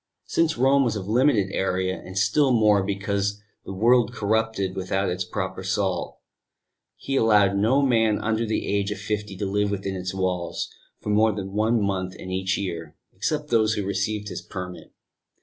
Since Rome was of limited area, and, still more because the world corrupted without its proper salt, he allowed no man under the age of fifty to live within its walls for more than one month in each year, except those who received his permit.